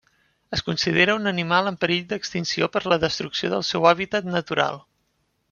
Es considera un animal en perill d'extinció per la destrucció del seu hàbitat natural.